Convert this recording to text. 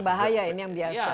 bahaya ini yang biasa